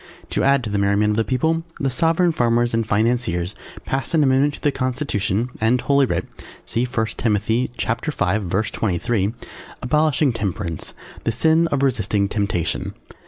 To add to the merriment of the People, the Sovereign Farmers and Financiers passed an amendment to the Constitution and Holy Writ (See I. Timothy V. 23.) abolishing Temperance, the sin of resisting temptation.